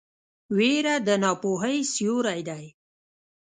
ویره د ناپوهۍ سیوری دی.